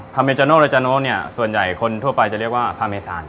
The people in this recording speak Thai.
เมจาโนเรจาโน่เนี่ยส่วนใหญ่คนทั่วไปจะเรียกว่าพาเมซาน